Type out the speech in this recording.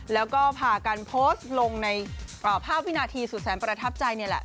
แล้วก็พากันโพสต์ลงในภาพวินาทีสุดแสนประทับใจนี่แหละ